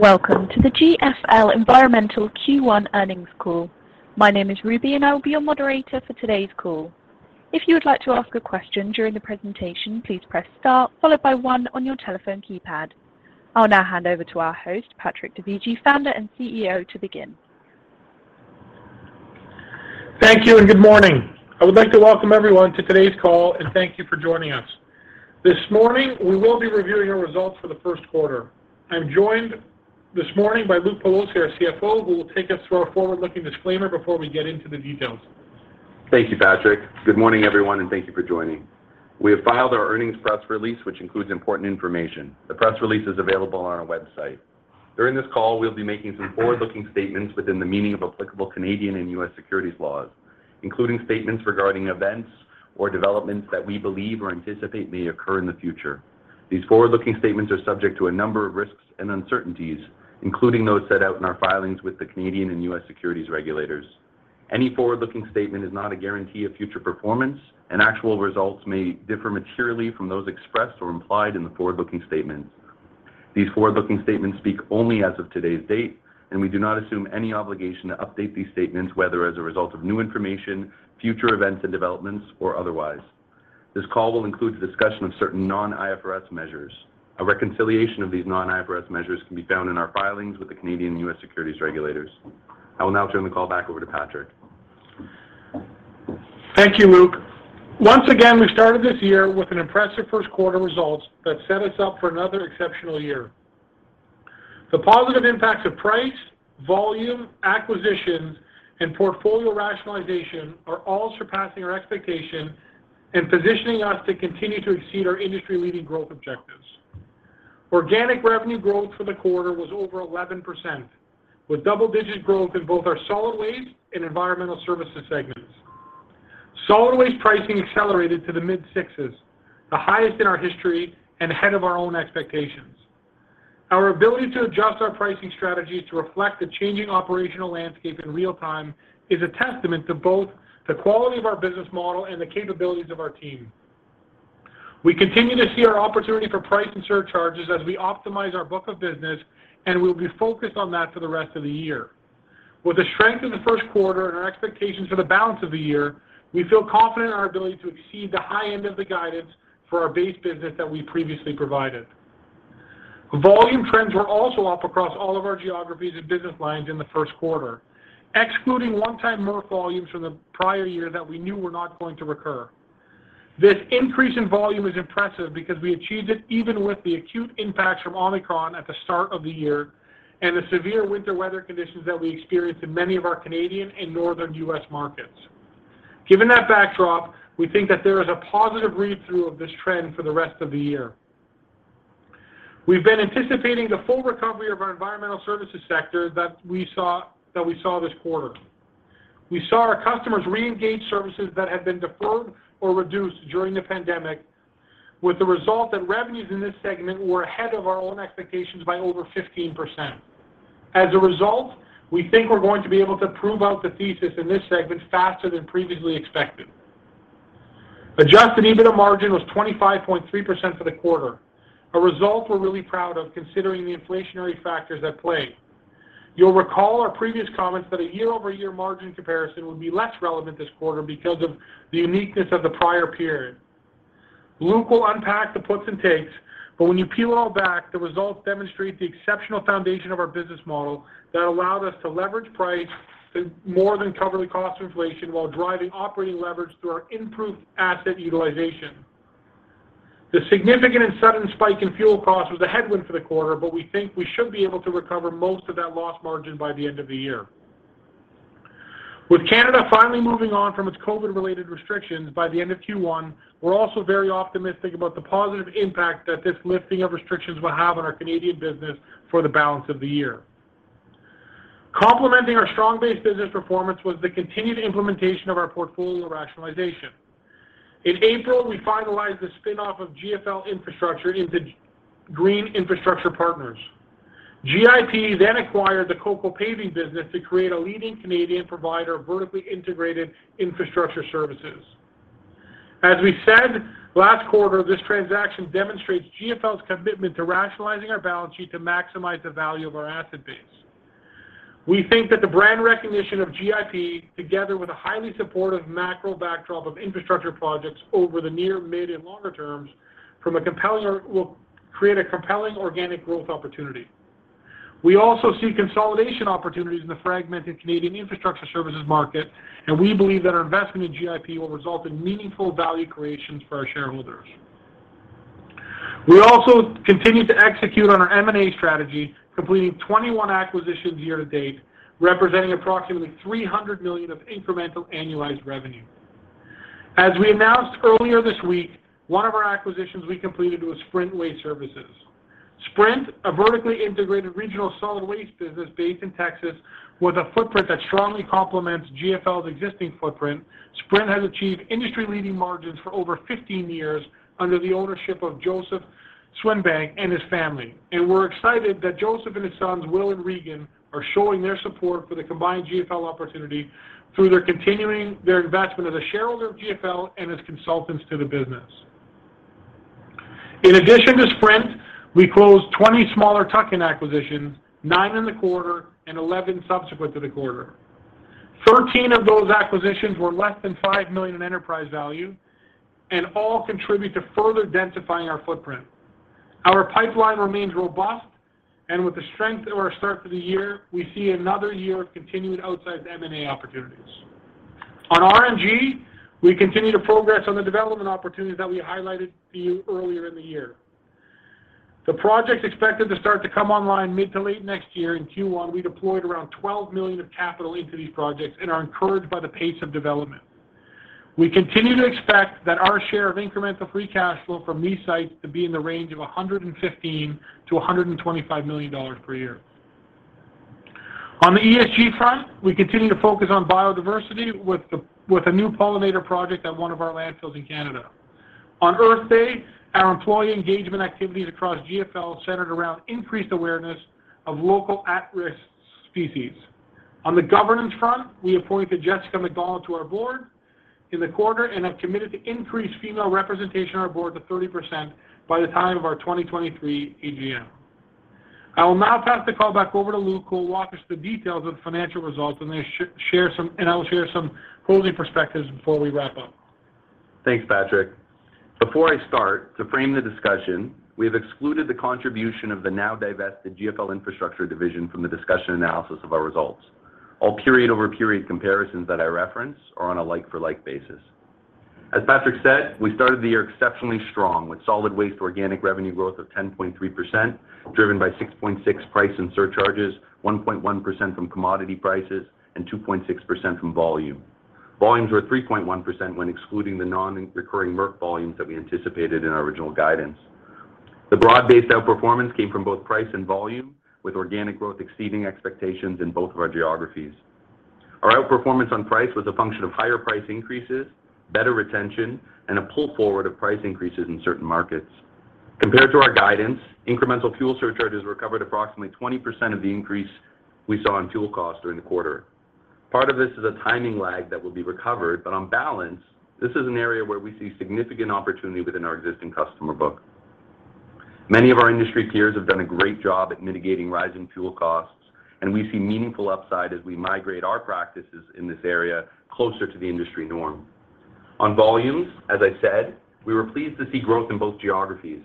Welcome to the GFL Environmental Q1 Earnings Call. My name is Ruby and I will be your moderator for today's call. If you would like to ask a question during the presentation, please press star followed by one on your telephone keypad. I'll now hand over to our host, Patrick Dovigi, Founder and CEO, to begin. Thank you and good morning. I would like to welcome everyone to today's call and thank you for joining us. This morning, we will be reviewing our results for the first quarter. I'm joined this morning by Luke Pelosi, our CFO, who will take us through our forward-looking disclaimer before we get into the details. Thank you, Patrick. Good morning, everyone, and thank you for joining. We have filed our earnings press release, which includes important information. The press release is available on our website. During this call, we'll be making some forward-looking statements within the meaning of applicable Canadian and U.S. Securities Laws, including statements regarding events or developments that we believe or anticipate may occur in the future. These forward-looking statements are subject to a number of risks and uncertainties, including those set out in our filings with the Canadian and U.S. securities regulators. Any forward-looking statement is not a guarantee of future performance, and actual results may differ materially from those expressed or implied in the forward-looking statements. These forward-looking statements speak only as of today's date, and we do not assume any obligation to update these statements, whether as a result of new information, future events and developments, or otherwise. This call will include a discussion of certain non-IFRS measures. A reconciliation of these non-IFRS measures can be found in our filings with the Canadian and U.S. securities regulators. I will now turn the call back over to Patrick. Thank you, Luke. Once again, we started this year with an impressive first quarter results that set us up for another exceptional year. The positive impacts of price, volume, acquisitions, and portfolio rationalization are all surpassing our expectation and positioning us to continue to exceed our industry-leading growth objectives. Organic revenue growth for the quarter was over 11%, with double-digit growth in both our solid waste and environmental services segments. Solid waste pricing accelerated to the mid-sixes, the highest in our history and ahead of our own expectations. Our ability to adjust our pricing strategy to reflect the changing operational landscape in real time is a testament to both the quality of our business model and the capabilities of our team. We continue to see our opportunity for price and surcharges as we optimize our book of business, and we'll be focused on that for the rest of the year. With the strength of the first quarter and our expectations for the balance of the year, we feel confident in our ability to exceed the high end of the guidance for our base business that we previously provided. Volume trends were also up across all of our geographies and business lines in the first quarter, excluding one-time MRF volumes from the prior year that we knew were not going to recur. This increase in volume is impressive because we achieved it even with the acute impacts from Omicron at the start of the year and the severe winter weather conditions that we experienced in many of our Canadian and northern U.S. markets. Given that backdrop, we think that there is a positive read-through of this trend for the rest of the year. We've been anticipating the full recovery of our environmental services sector that we saw this quarter. We saw our customers reengage services that had been deferred or reduced during the pandemic, with the result that revenues in this segment were ahead of our own expectations by over 15%. As a result, we think we're going to be able to prove out the thesis in this segment faster than previously expected. Adjusted EBITDA margin was 25.3% for the quarter, a result we're really proud of considering the inflationary factors at play. You'll recall our previous comments that a year-over-year margin comparison would be less relevant this quarter because of the uniqueness of the prior period. Luke will unpack the puts and takes, but when you peel it all back, the results demonstrate the exceptional foundation of our business model that allowed us to leverage price to more than cover the cost of inflation while driving operating leverage through our improved asset utilization. The significant and sudden spike in fuel costs was a headwind for the quarter, but we think we should be able to recover most of that lost margin by the end of the year. With Canada finally moving on from its COVID-related restrictions by the end of Q1, we're also very optimistic about the positive impact that this lifting of restrictions will have on our Canadian business for the balance of the year. Complementing our strong base business performance was the continued implementation of our portfolio rationalization. In April, we finalized the spin-off of GFL Infrastructure into Green Infrastructure Partners. GIP acquired the Coco Paving business to create a leading Canadian provider of vertically integrated infrastructure services. As we said last quarter, this transaction demonstrates GFL's commitment to rationalizing our balance sheet to maximize the value of our asset base. We think that the brand recognition of GIP, together with a highly supportive macro backdrop of infrastructure projects over the near, mid, and longer terms will create a compelling organic growth opportunity. We also see consolidation opportunities in the fragmented Canadian infrastructure services market, and we believe that our investment in GIP will result in meaningful value creations for our shareholders. We also continued to execute on our M&A strategy, completing 21 acquisitions year to date, representing approximately 300 million of incremental annualized revenue. As we announced earlier this week, one of our acquisitions we completed was Sprint Waste Services. Sprint, a vertically integrated regional solid waste business based in Texas, with a footprint that strongly complements GFL's existing footprint. Sprint has achieved industry-leading margins for over 15 years under the ownership of Joseph Swinbank and his family. We're excited that Joseph and his sons, Will and Regan, are showing their support for the combined GFL opportunity through their continuing investment as a shareholder of GFL and as consultants to the business. In addition to Sprint, we closed 20 smaller tuck-in acquisitions, 9 in the quarter and 11 subsequent to the quarter. Thirteen of those acquisitions were less than $5 million in enterprise value, and all contribute to further densifying our footprint. Our pipeline remains robust, and with the strength of our start to the year, we see another year of continued outsized M&A opportunities. On RNG, we continue to progress on the development opportunities that we highlighted to you earlier in the year. The projects expected to start to come online mid- to late next year in Q1. We deployed around $12 million of capital into these projects and are encouraged by the pace of development. We continue to expect that our share of incremental free cash flow from these sites to be in the range of $115-$125 million per year. On the ESG front, we continue to focus on biodiversity with a new pollinator project at one of our landfills in Canada. On Earth Day, our employee engagement activities across GFL centered around increased awareness of local at-risk species. On the governance front, we appointed Jessica McDonald to our board in the quarter and have committed to increase female representation on our board to 30% by the time of our 2023 AGM. I will now pass the call back over to Luke, who will walk us through the details of the financial results, and I will share some closing perspectives before we wrap up. Thanks, Patrick. Before I start, to frame the discussion, we have excluded the contribution of the now-divested GFL Infrastructure division from the discussion analysis of our results. All period-over-period comparisons that I reference are on a like-for-like basis. As Patrick said, we started the year exceptionally strong, with solid waste organic revenue growth of 10.3%, driven by 6.6% price and surcharges, 1.1% from commodity prices, and 2.6% from volume. Volumes were 3.1% when excluding the non-recurring Merck volumes that we anticipated in our original guidance. The broad-based outperformance came from both price and volume, with organic growth exceeding expectations in both of our geographies. Our outperformance on price was a function of higher price increases, better retention, and a pull forward of price increases in certain markets. Compared to our guidance, incremental fuel surcharges recovered approximately 20% of the increase we saw in fuel costs during the quarter. Part of this is a timing lag that will be recovered, but on balance, this is an area where we see significant opportunity within our existing customer book. Many of our industry peers have done a great job at mitigating rising fuel costs, and we see meaningful upside as we migrate our practices in this area closer to the industry norm. On volumes, as I said, we were pleased to see growth in both geographies.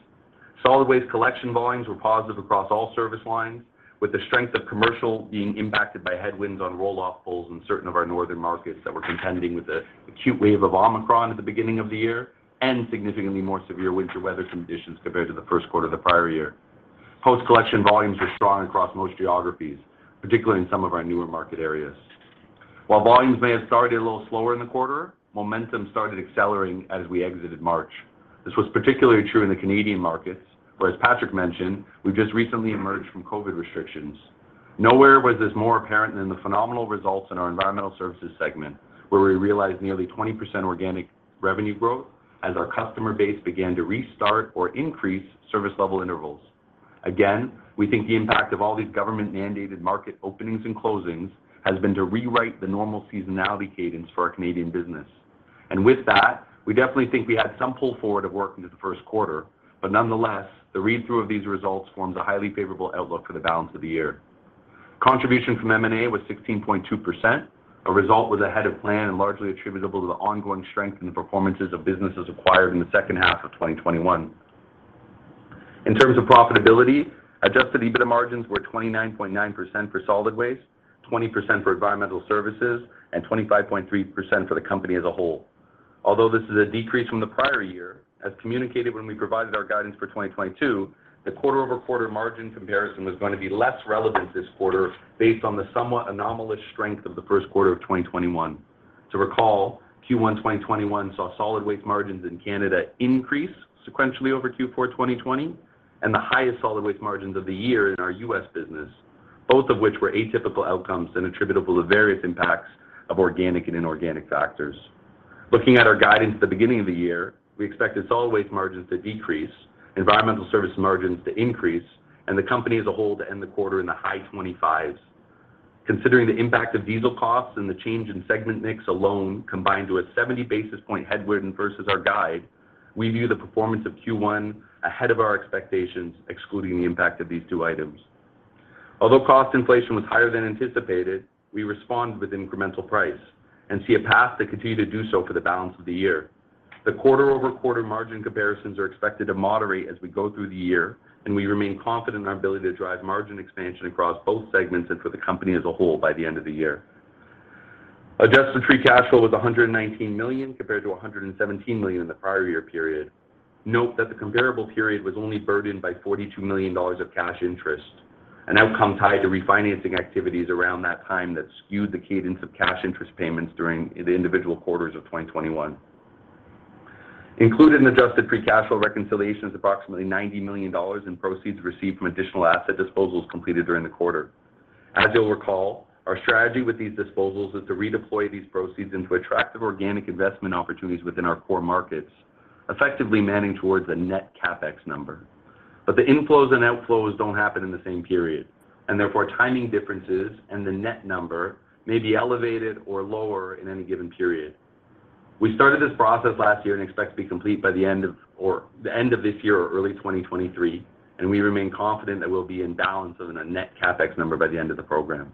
Solid waste collection volumes were positive across all service lines, with the strength of commercial being impacted by headwinds on roll-off pulls in certain of our northern markets that were contending with the acute wave of Omicron at the beginning of the year and significantly more severe winter weather conditions compared to the first quarter of the prior year. Post-collection volumes were strong across most geographies, particularly in some of our newer market areas. While volumes may have started a little slower in the quarter, momentum started accelerating as we exited March. This was particularly true in the Canadian markets, where, as Patrick mentioned, we've just recently emerged from COVID restrictions. Nowhere was this more apparent than the phenomenal results in our environmental services segment, where we realized nearly 20% organic revenue growth as our customer base began to restart or increase service level intervals. Again, we think the impact of all these government-mandated market openings and closings has been to rewrite the normal seasonality cadence for our Canadian business. With that, we definitely think we had some pull forward of work into the first quarter, but nonetheless, the read-through of these results forms a highly favorable outlook for the balance of the year. Contribution from M&A was 16.2%, a result was ahead of plan and largely attributable to the ongoing strength in the performances of businesses acquired in the second half of 2021. In terms of profitability, adjusted EBITDA margins were 29.9% for solid waste, 20% for environmental services, and 25.3% for the company as a whole. Although this is a decrease from the prior year, as communicated when we provided our guidance for 2022, the quarter-over-quarter margin comparison was going to be less relevant this quarter based on the somewhat anomalous strength of the first quarter of 2021. To recall, Q1 2021 saw solid waste margins in Canada increase sequentially over Q4 2020, and the highest solid waste margins of the year in our US business, both of which were atypical outcomes and attributable to various impacts of organic and inorganic factors. Looking at our guidance at the beginning of the year, we expect the solid waste margins to decrease, environmental service margins to increase, and the company as a whole to end the quarter in the high 25%. Considering the impact of diesel costs and the change in segment mix alone, combined to a 70 basis point headwind versus our guide, we view the performance of Q1 ahead of our expectations, excluding the impact of these two items. Although cost inflation was higher than anticipated, we respond with incremental price and see a path to continue to do so for the balance of the year. The quarter-over-quarter margin comparisons are expected to moderate as we go through the year, and we remain confident in our ability to drive margin expansion across both segments and for the company as a whole by the end of the year. Adjusted free cash flow was 119 million, compared to 117 million in the prior year period. Note that the comparable period was only burdened by $42 million of cash interest, an outcome tied to refinancing activities around that time that skewed the cadence of cash interest payments during the individual quarters of 2021. Included in adjusted free cash flow reconciliation is approximately $90 million in proceeds received from additional asset disposals completed during the quarter. As you'll recall, our strategy with these disposals is to redeploy these proceeds into attractive organic investment opportunities within our core markets, effectively aiming towards a net CapEx number. The inflows and outflows don't happen in the same period, and therefore, timing differences and the net number may be elevated or lower in any given period. We started this process last year and expect to be complete by the end of this year or early 2023, and we remain confident that we'll be in balance of a net CapEx number by the end of the program.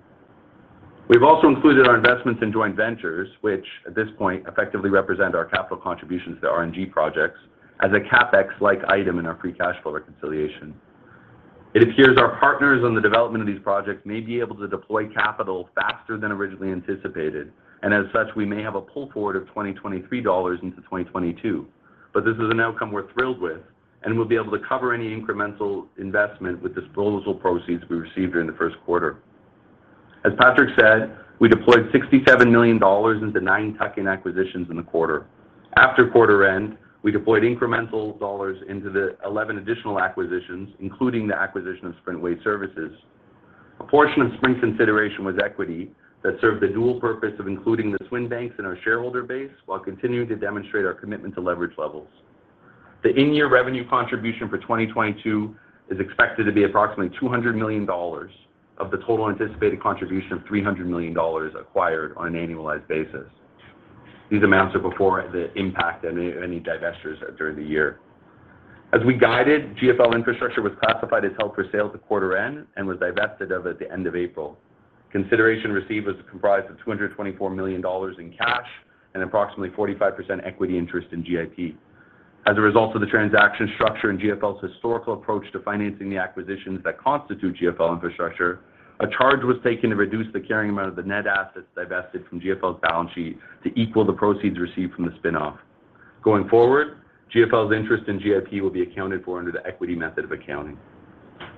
We've also included our investments in joint ventures, which, at this point, effectively represent our capital contributions to RNG projects as a CapEx-like item in our free cash flow reconciliation. It appears our partners on the development of these projects may be able to deploy capital faster than originally anticipated, and as such, we may have a pull forward of 2023 dollars into 2022. This is an outcome we're thrilled with, and we'll be able to cover any incremental investment with disposal proceeds we received during the first quarter. As Patrick said, we deployed $67 million into 9 tuck-in acquisitions in the quarter. After quarter end, we deployed incremental dollars into the 11 additional acquisitions, including the acquisition of Sprint Waste Services. A portion of Sprint's consideration was equity that served the dual purpose of including the Swinbanks in our shareholder base while continuing to demonstrate our commitment to leverage levels. The in-year revenue contribution for 2022 is expected to be approximately $200 million of the total anticipated contribution of $300 million acquired on an annualized basis. These amounts are before the impact of any divestitures during the year. As we guided, GFL Infrastructure was classified as held for sale at quarter end and was divested at the end of April. Consideration received was comprised of $224 million in cash and approximately 45% equity interest in GIP. As a result of the transaction structure and GFL's historical approach to financing the acquisitions that constitute GFL Infrastructure, a charge was taken to reduce the carrying amount of the net assets divested from GFL's balance sheet to equal the proceeds received from the spin-off. Going forward, GFL's interest in GIP will be accounted for under the equity method of accounting.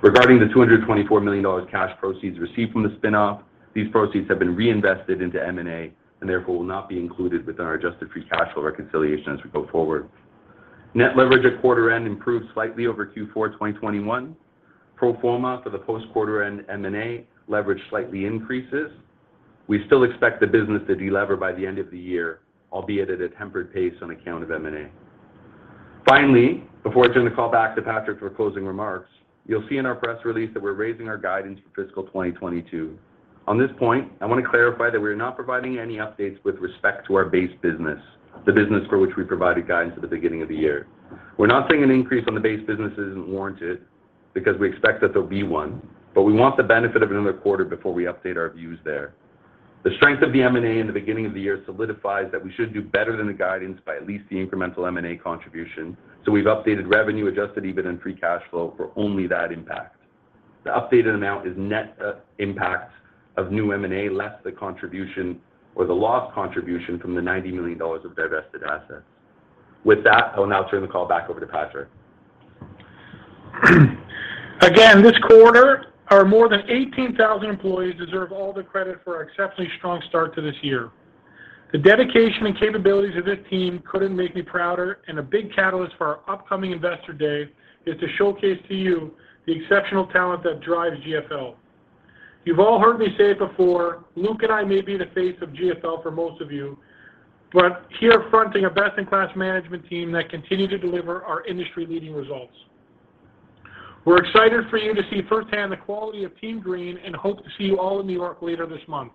Regarding the $224 million cash proceeds received from the spin-off, these proceeds have been reinvested into M&A, and therefore will not be included within our adjusted free cash flow reconciliation as we go forward. Net leverage at quarter end improved slightly over Q4 2021. Pro forma for the post-quarter end M&A leverage slightly increases. We still expect the business to deliver by the end of the year, albeit at a tempered pace on account of M&A. Finally, before turning the call back to Patrick for closing remarks, you'll see in our press release that we're raising our guidance for fiscal 2022. On this point, I want to clarify that we're not providing any updates with respect to our base business, the business for which we provided guidance at the beginning of the year. We're not seeing an increase on the base business as warranted because we expect that there'll be one, but we want the benefit of another quarter before we update our views there. The strength of the M&A in the beginning of the year solidifies that we should do better than the guidance by at least the incremental M&A contribution. We've updated revenue, adjusted EBITDA, and free cash flow for only that impact. The updated amount is net impact of new M&A less the contribution or the lost contribution from the 90 million dollars of divested assets. With that, I will now turn the call back over to Patrick. Again, this quarter, our more than 18,000 employees deserve all the credit for our exceptionally strong start to this year. The dedication and capabilities of this team couldn't make me prouder, and a big catalyst for our upcoming Investor Day is to showcase to you the exceptional talent that drives GFL. You've all heard me say it before, Luke and I may be the face of GFL for most of you, but we're fronting a best-in-class management team that continue to deliver our industry-leading results. We're excited for you to see firsthand the quality of Team Green and hope to see you all in New York later this month.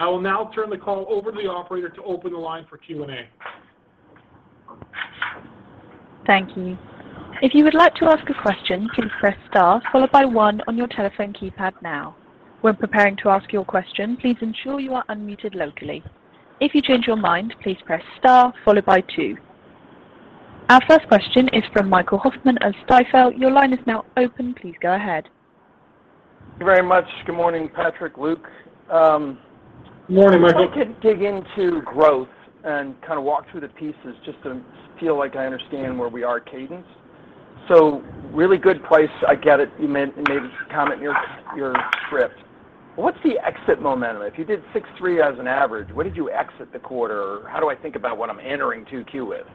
I will now turn the call over to the operator to open the line for Q&A. Thank you. If you would like to ask a question, please press star followed by one on your telephone keypad now. When preparing to ask your question, please ensure you are unmuted locally. If you change your mind, please press star followed by two. Our first question is from Michael Hoffman of Stifel. Your line is now open. Please go ahead. Thank you very much. Good morning, Patrick, Luke. Morning, Michael. If I could dig into growth and kind of walk through the pieces just to feel like I understand where we are cadence. Really good price. I get it. You made a comment in your script. What's the exit momentum? If you did 6.3 as an average, what did you exit the quarter? How do I think about what I'm entering 2Q with?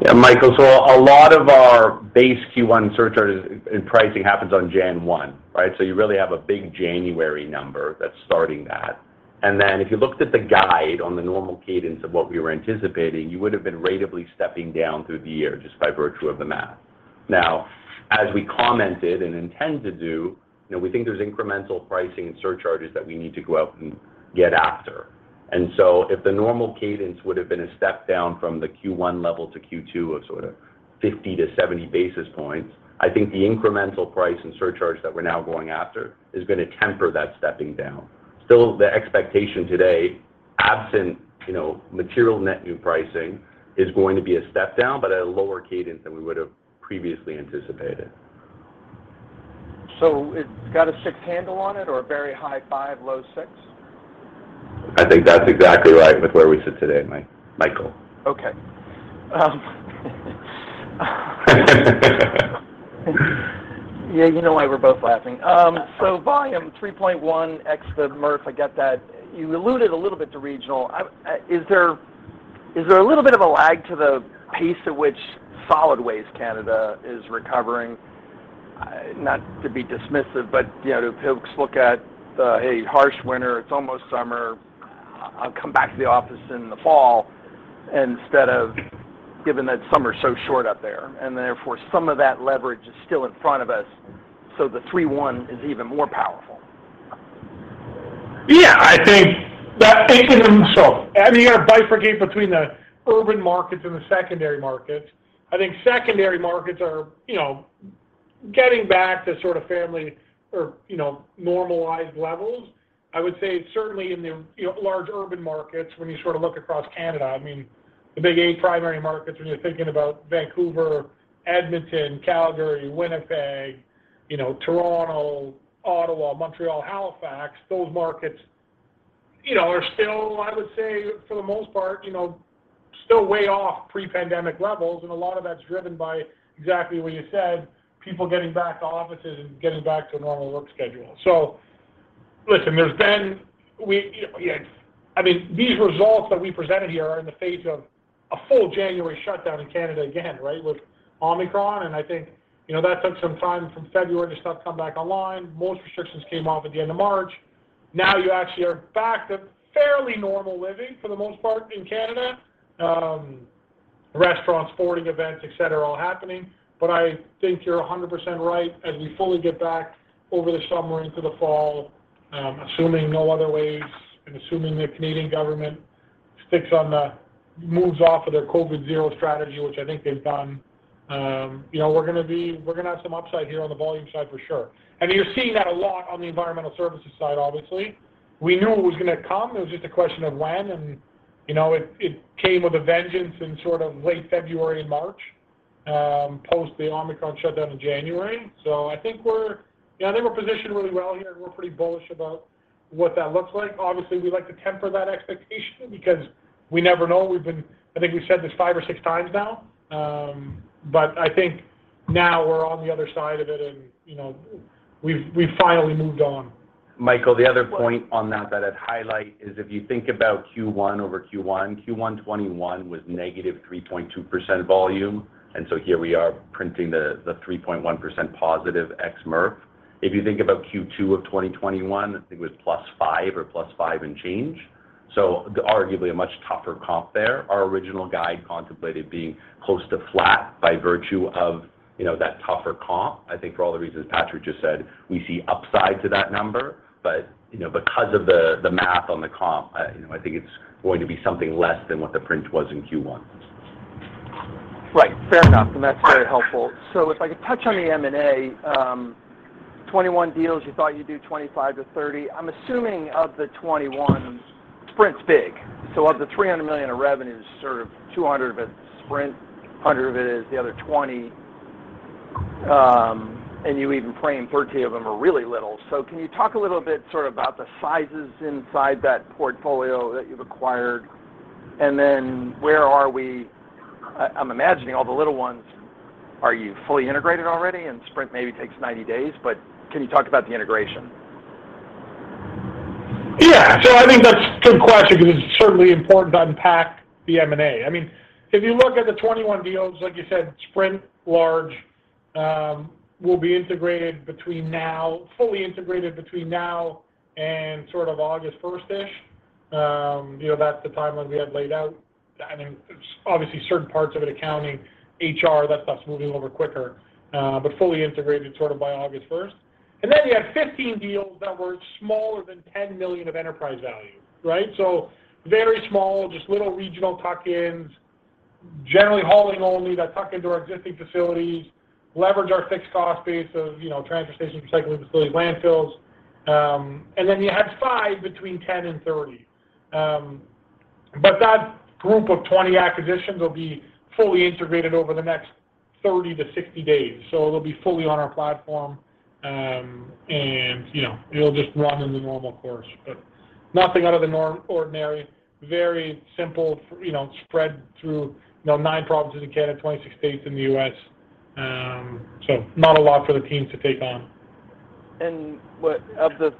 Yeah, Michael, a lot of our base Q1 surcharges and pricing happens on January 1, right? You really have a big January number that's starting that. If you looked at the guide on the normal cadence of what we were anticipating, you would have been ratably stepping down through the year just by virtue of the math. Now, as we commented and intend to do, you know, we think there's incremental pricing and surcharges that we need to go out and get after. If the normal cadence would have been a step down from the Q1 level to Q2 of sort of 50-70 basis points, I think the incremental price and surcharge that we're now going after is gonna temper that stepping down. Still, the expectation today, absent, you know, material net new pricing, is going to be a step down, but at a lower cadence than we would have previously anticipated. It's got a 6 handle on it or a very high 5, low 6? I think that's exactly right with where we sit today, Michael. Okay. Yeah. You know why we're both laughing. Volume 3.1 ex the MRF, I get that. You alluded a little bit to regional. Is there a little bit of a lag to the pace at which Solid Waste Canada is recovering? Not to be dismissive, but, you know, to perhaps look at the, hey, harsh winter, it's almost summer. I'll come back to the office in the fall. Instead, given that summers are so short up there, and therefore some of that leverage is still in front of us, so the 3.1 is even more powerful. Yeah. I think in itself. I mean, you're bifurcating between the urban markets and the secondary markets. I think secondary markets are, you know, getting back to sort of family or, you know, normalized levels. I would say certainly in the, you know, large urban markets when you sort of look across Canada, I mean, the big eight primary markets when you're thinking about Vancouver, Edmonton, Calgary, Winnipeg, you know, Toronto, Ottawa, Montreal, Halifax. Those markets, you know, are still, I would say for the most part, you know, still way off pre-pandemic levels, and a lot of that's driven by exactly what you said, people getting back to offices and getting back to a normal work schedule. So listen, yeah. I mean, these results that we presented here are in the face of a full January shutdown in Canada again, right, with Omicron. I think, you know, that took some time from February to start to come back online. Most restrictions came off at the end of March. Now you actually are back to fairly normal living for the most part in Canada. Restaurants, sporting events, et cetera, all happening. I think you're 100% right. As we fully get back over the summer into the fall, assuming no other waves and assuming the Canadian government moves off of their COVID zero strategy, which I think they've done, you know, we're gonna have some upside here on the volume side for sure. You're seeing that a lot on the environmental services side, obviously. We knew it was gonna come. It was just a question of when, and, you know, it came with a vengeance in sort of late February, March, post the Omicron shutdown in January. I think we're positioned really well here, and we're pretty bullish about what that looks like. Obviously, we like to temper that expectation because we never know. I think we've said this five or six times now, but I think now we're on the other side of it and, you know, we've finally moved on. Michael, the other point on that that I'd highlight is if you think about Q1 over Q1 2021 was negative 3.2% volume. Here we are printing the 3.1% positive ex MRF. If you think about Q2 of 2021, I think it was +5 or +5 and change. Arguably a much tougher comp there. Our original guide contemplated being close to flat by virtue of, you know, that tougher comp. I think for all the reasons Patrick just said, we see upside to that number. You know, because of the math on the comp, you know, I think it's going to be something less than what the print was in Q1. Right. Fair enough, and that's very helpful. If I could touch on the M&A, 21 deals, you thought you'd do 25-30. I'm assuming of the 21, Sprint's big. Of the 300 million of revenue is sort of 200 million of it is Sprint, 100 million of it is the other 20, and you even frame 13 of them are really little. Can you talk a little bit sort of about the sizes inside that portfolio that you've acquired? And then where are we. I'm imagining all the little ones. Are you fully integrated already and Sprint maybe takes 90 days? Can you talk about the integration? Yeah. I think that's a good question because it's certainly important to unpack the M&A. I mean, if you look at the 21 deals, like you said, Sprint, large, will be fully integrated between now and sort of August first-ish. You know, that's the timeline we had laid out. I mean, obviously certain parts of it, accounting, HR, that stuff's moving a little quicker, but fully integrated sort of by August 1. Then you have 15 deals that were smaller than $10 million of enterprise value, right? Very small, just little regional tuck-ins, generally hauling only that tuck into our existing facilities, leverage our fixed cost base of, you know, transportation, recycling facilities, landfills. Then you had five between $10 million and $30 million. That group of 20 acquisitions will be fully integrated over the next 30-60 days. They'll be fully on our platform, and, you know, it'll just run in the normal course. Nothing out of the norm, ordinary, very simple, you know, spread through, you know, 9 provinces in Canada, 26 states in the US. Not a lot for the team to take on. Of the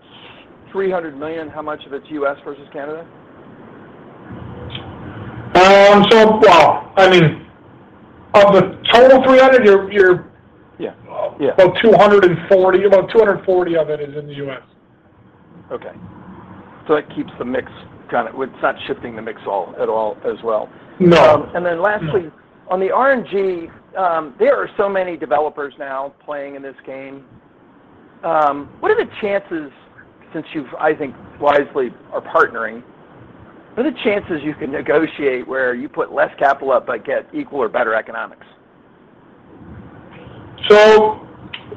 300 million, how much of it's U.S. versus Canada? Well, I mean, of the total 300, you're Yeah, yeah. About 240 of it is in the U.S. Okay. It's not shifting the mix at all as well. No. Lastly, on the RNG, there are so many developers now playing in this game. What are the chances since you've, I think wisely are partnering, what are the chances you can negotiate where you put less capital up but get equal or better economics?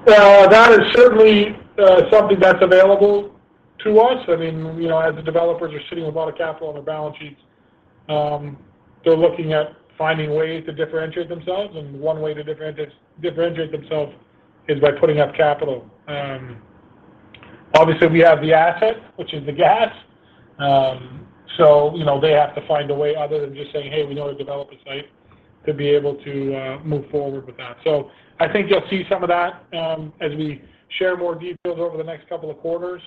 That is certainly something that's available to us. I mean, you know, as the developers are sitting with a lot of capital on their balance sheets, they're looking at finding ways to differentiate themselves, and one way to differentiate themselves is by putting up capital. Obviously we have the asset, which is the gas, you know, they have to find a way other than just saying, "Hey, we know how to develop a site," to be able to move forward with that. I think you'll see some of that, as we share more details over the next couple of quarters.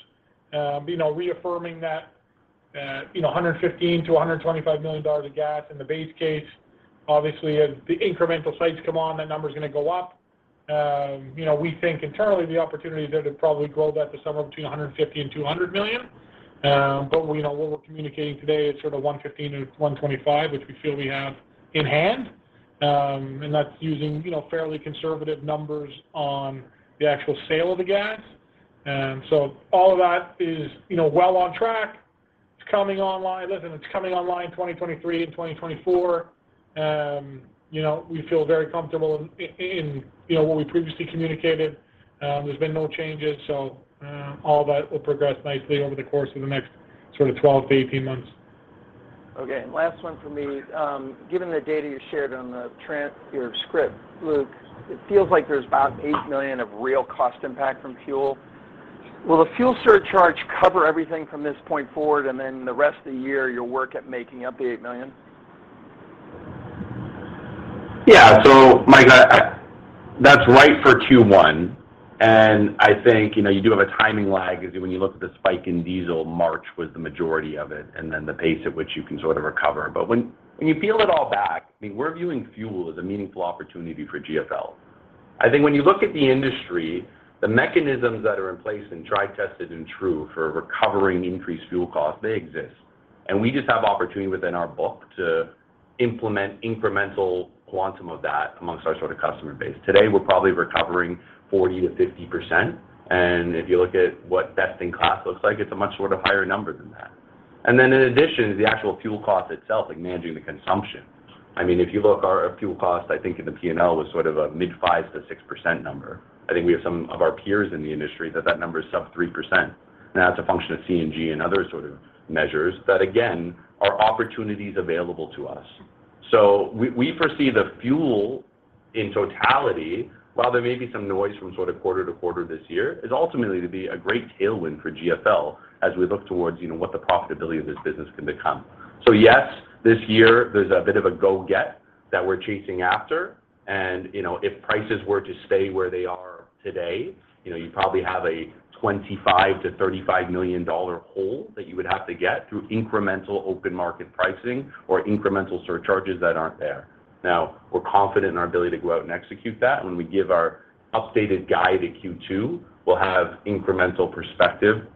You know, reaffirming that, you know, $115 million-$125 million of gas in the base case. Obviously, as the incremental sites come on, that number's gonna go up. You know, we think internally the opportunity there to probably grow that to somewhere between 150 million and 200 million. But you know, what we're communicating today is sort of 115 million-125 million, which we feel we have in hand. That's using, you know, fairly conservative numbers on the actual sale of the gas. All of that is, you know, well on track. It's coming online. Listen, it's coming online 2023 and 2024. You know, we feel very comfortable in you know, what we previously communicated. There's been no changes, so all that will progress nicely over the course of the next sort of 12-18 months. Okay. Last one for me. Given the data you shared on your script, Luke, it feels like there's about 8 million of real cost impact from fuel. Will the fuel surcharge cover everything from this point forward, and then the rest of the year you'll work at making up the 8 million? Yeah. Mike, that's right for Q1. I think, you know, you do have a timing lag when you look at the spike in diesel. March was the majority of it, and then the pace at which you can sort of recover. When you peel it all back, I mean, we're viewing fuel as a meaningful opportunity for GFL. I think when you look at the industry, the mechanisms that are in place and tried, tested, and true for recovering increased fuel costs, they exist. We just have opportunity within our book to implement incremental quantum of that amongst our sort of customer base. Today, we're probably recovering 40%-50%. If you look at what best in class looks like, it's a much sort of higher number than that. In addition to the actual fuel cost itself, like managing the consumption, I mean, if you look at our fuel cost, I think in the P&L was sort of a mid-5%-6% number. I think we have some of our peers in the industry that number is sub 3%. Now, that's a function of CNG and other sort of measures, but again, there are opportunities available to us. We foresee the fuel in totality, while there may be some noise from sort of quarter to quarter this year, is ultimately to be a great tailwind for GFL as we look towards, you know, what the profitability of this business can become. Yes, this year there's a bit of a go get that we're chasing after. You know, if prices were to stay where they are today, you know, you probably have a $25 million-$35 million hole that you would have to get through incremental open market pricing or incremental surcharges that aren't there. Now, we're confident in our ability to go out and execute that. When we give our updated guide at Q2, we'll have incremental perspective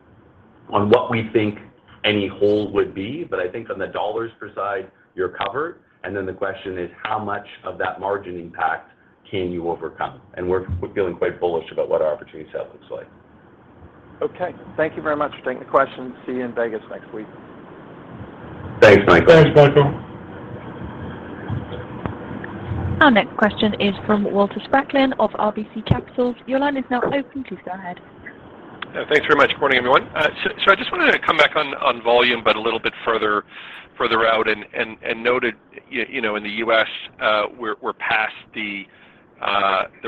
on what we think any hole would be. I think on the dollars per side, you're covered. The question is how much of that margin impact can you overcome? We're feeling quite bullish about what our opportunity set looks like. Okay. Thank you very much for taking the question. See you in Vegas next week. Thanks, Michael. Thanks, Michael. Our next question is from Walter Spracklin of RBC Capital. Your line is now open. Please go ahead. Yeah, thanks very much. Morning, everyone. So I just wanted to come back on volume, but a little bit further out and noted you know in the U.S., we're past the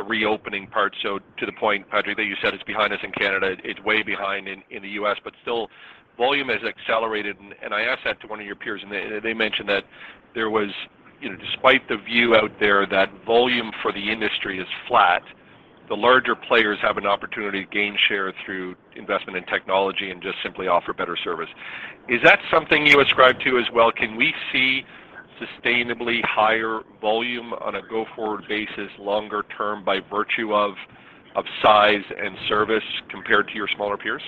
reopening part. To the point, Patrick, that you said it's behind us in Canada, it's way behind in the U.S. but still volume has accelerated. I asked that to one of your peers, and they mentioned that there was you know despite the view out there that volume for the industry is flat, the larger players have an opportunity to gain share through investment in technology and just simply offer better service. Is that something you ascribe to as well? Can we see sustainably higher volume on a go-forward basis longer term by virtue of size and service compared to your smaller peers?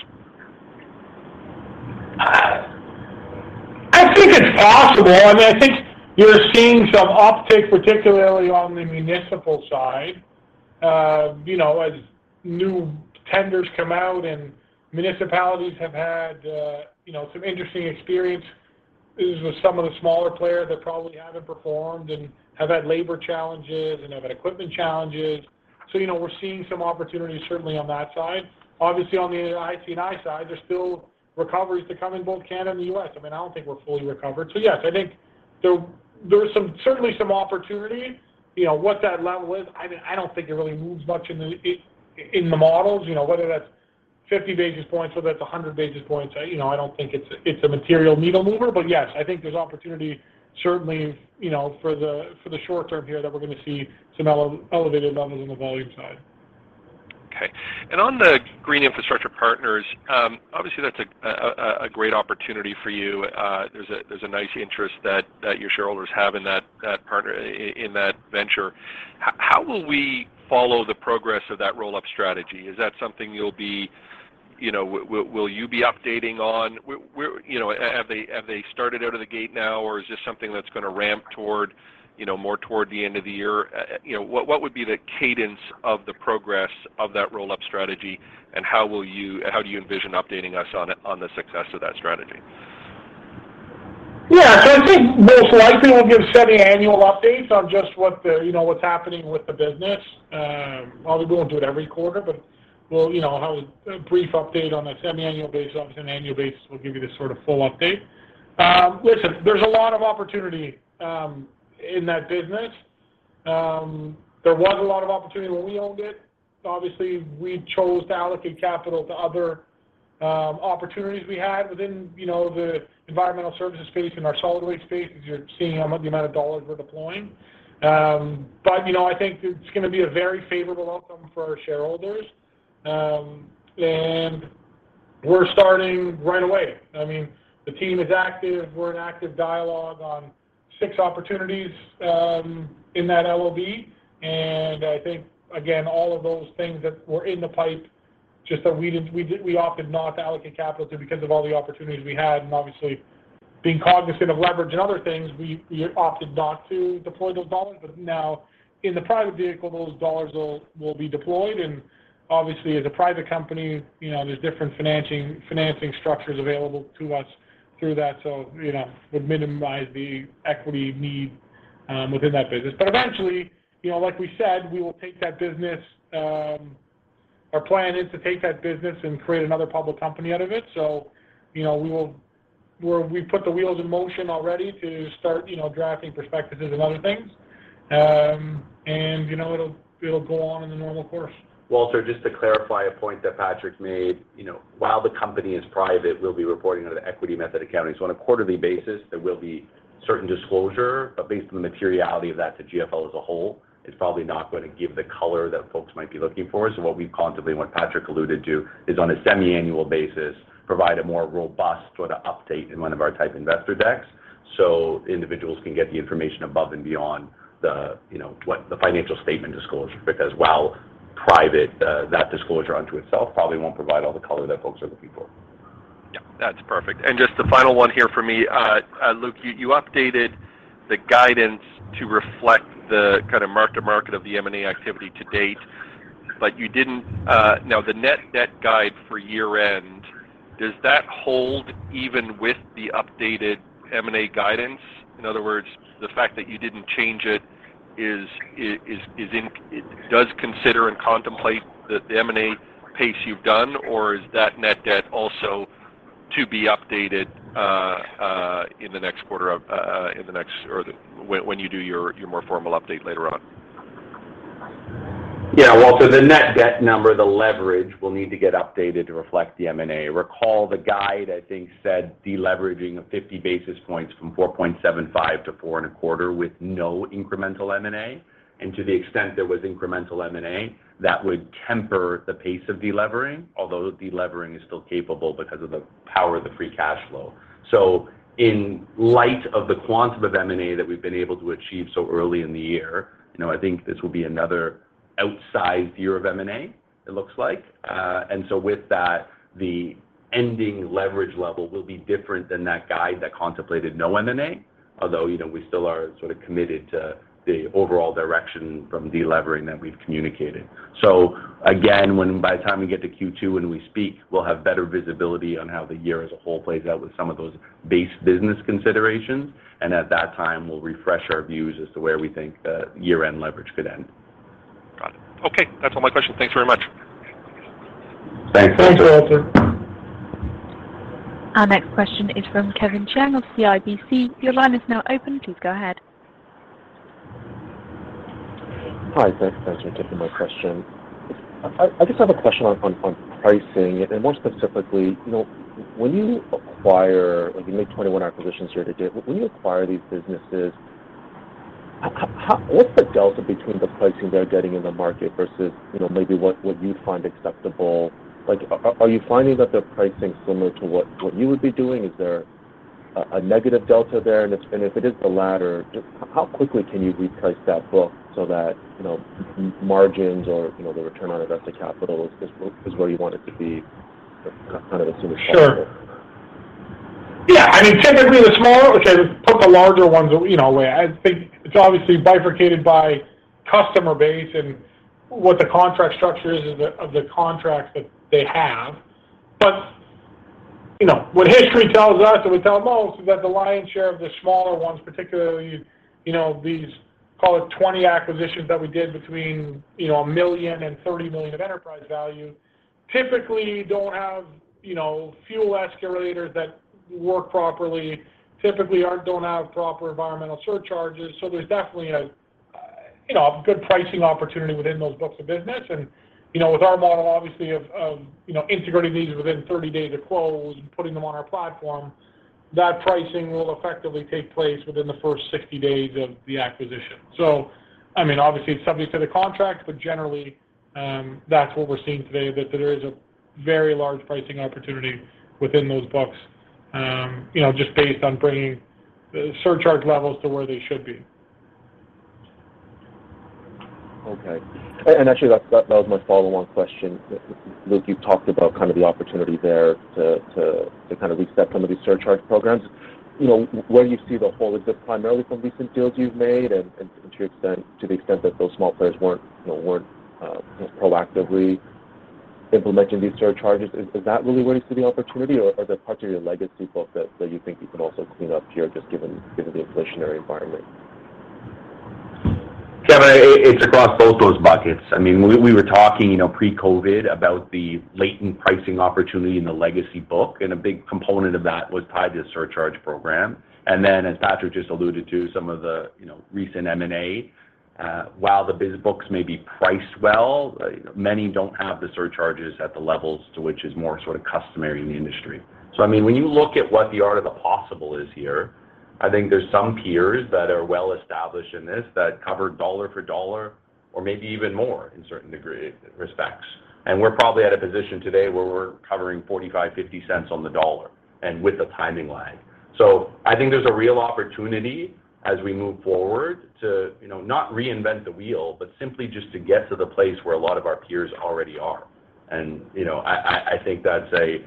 I think it's possible. I mean, I think you're seeing some uptick, particularly on the municipal side, you know, as new tenders come out and municipalities have had, you know, some interesting experiences with some of the smaller players that probably haven't performed and have had labor challenges and have had equipment challenges. You know, we're seeing some opportunities certainly on that side. Obviously on the IC&I side, there's still recoveries to come in both Canada and the U.S. I mean, I don't think we're fully recovered. Yes, I think there is some, certainly some opportunity. You know, what that level is, I mean, I don't think it really moves much in the models. You know, whether that's 50 basis points, whether that's 100 basis points, you know, I don't think it's a material needle mover. Yes, I think there's opportunity certainly, you know, for the short term here that we're gonna see some elevated levels on the volume side. Okay. On the Green Infrastructure Partners, obviously that's a great opportunity for you. There's a nice interest that your shareholders have in that partner in that venture. How will we follow the progress of that roll-up strategy? Is that something you'll be updating on? Where have they started out of the gate now, or is this something that's gonna ramp toward more toward the end of the year? What would be the cadence of the progress of that roll-up strategy, and how do you envision updating us on the success of that strategy? Yeah. I think most likely we'll give semi-annual updates on just what the, you know, what's happening with the business. Probably we won't do it every quarter, but we'll, you know, have a brief update on a semi-annual basis. Obviously on an annual basis, we'll give you the sort of full update. Listen, there's a lot of opportunity in that business. There was a lot of opportunity when we owned it. Obviously, we chose to allocate capital to other opportunities we had within, you know, the environmental services space and our solid waste space, as you're seeing on the amount of dollars we're deploying. You know, I think it's gonna be a very favorable outcome for our shareholders. We're starting right away. I mean, the team is active. We're in active dialogue on six opportunities in that LOB, and I think again, all of those things that were in the pipe that we didn't opt to allocate capital to because of all the opportunities we had and obviously being cognizant of leverage and other things, we opted not to deploy those dollars. Now in the private vehicle, those dollars will be deployed. Obviously as a private company, you know, there's different financing structures available to us through that. You know, would minimize the equity need within that business. Eventually, you know, like we said, we will take that business. Our plan is to take that business and create another public company out of it. You know, we've put the wheels in motion already to start, you know, drafting prospectuses and other things. You know, it'll go on in the normal course. Walter, just to clarify a point that Patrick made. You know, while the company is private, we'll be reporting under the equity method accounting. On a quarterly basis, there will be certain disclosure, but based on the materiality of that to GFL as a whole, it's probably not gonna give the color that folks might be looking for. What we've contemplated, what Patrick alluded to, is on a semi-annual basis, provide a more robust sort of update in one of our type investor decks, so individuals can get the information above and beyond the, you know, what the financial statement disclosure. Because while private, that disclosure unto itself probably won't provide all the color that folks are looking for. Yeah. That's perfect. Just the final one here from me. Luke, you updated the guidance to reflect the kind of mark to market of the M&A activity to date, but you didn't, now the net debt guide for year-end, does that hold even with the updated M&A guidance? In other words, the fact that you didn't change it is it does consider and contemplate the M&A pace you've done, or is that net debt also to be updated in the next quarter or when you do your more formal update later on? Yeah. Walter, the net debt number, the leverage will need to get updated to reflect the M&A. Recall the guide, I think, said de-leveraging of 50 basis points from 4.75 to 4.25 with no incremental M&A. To the extent there was incremental M&A, that would temper the pace of de-levering, although de-levering is still capable because of the power of the free cash flow. In light of the quantum of M&A that we've been able to achieve so early in the year, you know, I think this will be another outsized year of M&A, it looks like. With that, the ending leverage level will be different than that guide that contemplated no M&A, although, you know, we still are sort of committed to the overall direction from de-levering that we've communicated. Again, when by the time we get to Q2 and we speak, we'll have better visibility on how the year as a whole plays out with some of those base business considerations. At that time, we'll refresh our views as to where we think year-end leverage could end. Got it. Okay. That's all my questions. Thanks very much. Thanks, Walter. Thanks, Walter. Our next question is from Kevin Chiang of CIBC. Your line is now open. Please go ahead. Hi, thanks. Thanks for taking my question. I just have a question on pricing and more specifically, you know, when you acquire these businesses, like you made 21 acquisitions here to date. When you acquire these businesses, how, what's the delta between the pricing they're getting in the market versus, you know, maybe what you'd find acceptable? Like, are you finding that they're pricing similar to what you would be doing? Is there a negative delta there? If it is the latter, just how quickly can you reprice that book so that, you know, margins or, you know, the return on invested capital is where you want it to be kind of as soon as possible? Sure. Yeah. I mean, typically the smaller, which I took the larger ones, you know, away. I think it's obviously bifurcated by customer base and what the contract structure is of the contracts that they have. You know, what history tells us and we tell most is that the lion's share of the smaller ones, particularly, you know, these call it 20 acquisitions that we did between, you know, 1 million-30 million of enterprise value, typically don't have, you know, fuel escalators that work properly, typically don't have proper environmental surcharges. So there's definitely a, you know, good pricing opportunity within those books of business. You know, with our model obviously of, you know, integrating these within 30 days of close and putting them on our platform, that pricing will effectively take place within the first 60 days of the acquisition. I mean, obviously it's subject to the contract, but generally, that's what we're seeing today, that there is a very large pricing opportunity within those books, you know, just based on bringing the surcharge levels to where they should be. Okay. Actually that was my follow-on question. Luke, you've talked about kind of the opportunity there to kind of reset some of these surcharge programs. You know, where do you see the hole? Is it primarily from recent deals you've made and to the extent that those small players weren't, you know, proactively implementing these surcharges? Is that really where you see the opportunity or the parts of your legacy book that you think you can also clean up here, just given the inflationary environment? Kevin, it's across both those buckets. I mean, we were talking, you know, pre-COVID about the latent pricing opportunity in the legacy book, and a big component of that was tied to the surcharge program. Then as Patrick just alluded to, some of the, you know, recent M&A, while the business books may be priced well, many don't have the surcharges at the levels to which is more sort of customary in the industry. I mean, when you look at what the art of the possible is here. I think there's some peers that are well established in this that cover dollar for dollar or maybe even more in certain respects. We're probably at a position today where we're covering 45-50 cents on the dollar and with a timing lag. I think there's a real opportunity as we move forward to, you know, not reinvent the wheel, but simply just to get to the place where a lot of our peers already are. You know, I think that's a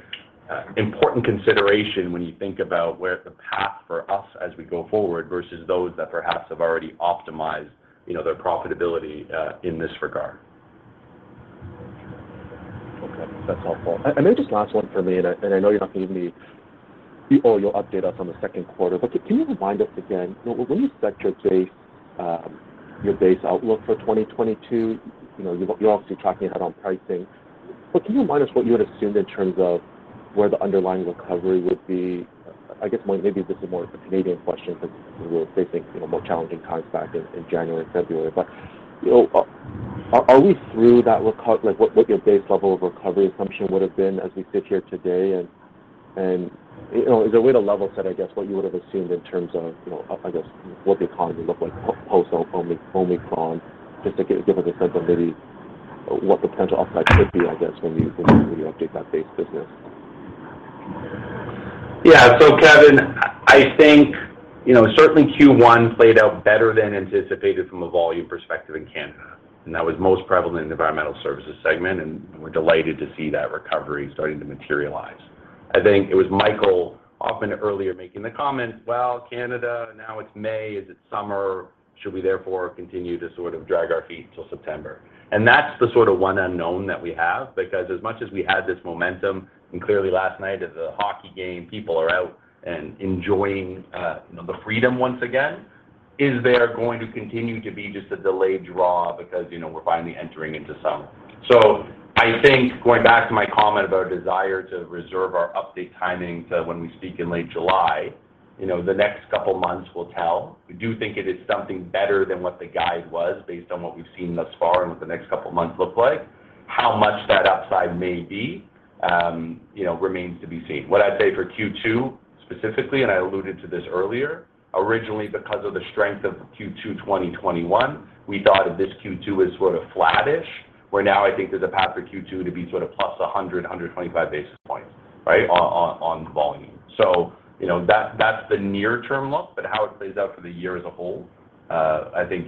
important consideration when you think about where the path for us as we go forward versus those that perhaps have already optimized, you know, their profitability in this regard. Okay. That's helpful. Then just last one for me, I know you're not giving me or you'll update us on the second quarter. Can you remind us again, you know, when you set your base, your base outlook for 2022, you know, you're obviously tracking ahead on pricing. Can you remind us what you had assumed in terms of where the underlying recovery would be? I guess maybe this is more of a Canadian question because we were facing, you know, more challenging times back in January and February. You know, are we through that recovery—like, what your base level of recovery assumption would have been as we sit here today and, you know, is there a way to level set, I guess, what you would have assumed in terms of, you know, I guess what the economy looked like post-Omicron, just to give us a sense of maybe what potential upside could be, I guess, when you update that base business? Yeah. Kevin, I think, you know, certainly Q1 played out better than anticipated from a volume perspective in Canada. That was most prevalent in the environmental services segment, and we're delighted to see that recovery starting to materialize. I think it was Michael Hoffman earlier making the comment, "Well, Canada, now it's May. Is it summer? Should we therefore continue to sort of drag our feet till September?" That's the sort of one unknown that we have because as much as we had this momentum and clearly last night at the hockey game, people are out and enjoying, you know, the freedom once again. Is there going to continue to be just a delayed draw because, you know, we're finally entering into summer? I think going back to my comment about our desire to reserve our update timing to when we speak in late July, you know, the next couple months will tell. We do think it is something better than what the guide was based on what we've seen thus far and what the next couple months look like. How much that upside may be, you know, remains to be seen. What I'd say for Q2 specifically, and I alluded to this earlier, originally because of the strength of Q2 2021, we thought of this Q2 as sort of flattish, where now I think there's a path for Q2 to be sort of plus 100-125 basis points, right, on volume. You know, that's the near term look. How it plays out for the year as a whole, I think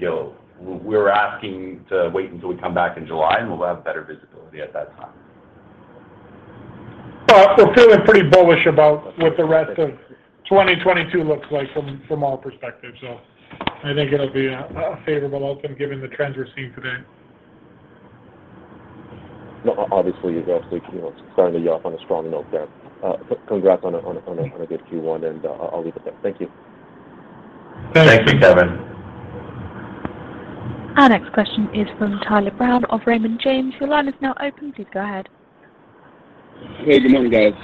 we're asking to wait until we come back in July, and we'll have better visibility at that time. Well, we're feeling pretty bullish about what the rest of 2022 looks like from our perspective. I think it'll be a favorable outcome given the trends we're seeing today. No, obviously, you guys, you know, starting to get off on a strong note there. Congrats on a good Q1, and I'll leave it there. Thank you. Thanks. Thank you. Thanks Kevin. Our next question is from Tyler Brown of Raymond James. Your line is now open. Please go ahead. Hey, good morning, guys.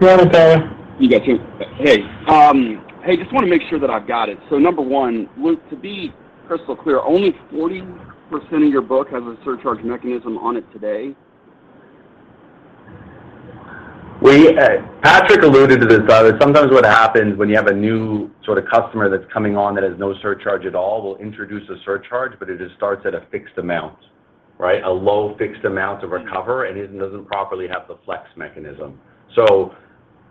Good morning, Tyler. You guys too. Hey, just wanna make sure that I've got it. Number one, Luke, to be crystal clear, only 40% of your book has a surcharge mechanism on it today? Patrick alluded to this, Tyler. Sometimes what happens when you have a new sort of customer that's coming on that has no surcharge at all, we'll introduce a surcharge, but it just starts at a fixed amount, right? A low fixed amount to recover, and it doesn't properly have the flex mechanism.